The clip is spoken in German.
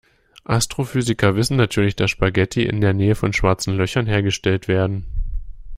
Astrophysiker wissen natürlich, dass Spaghetti in der Nähe von Schwarzen Löchern hergestellt werden.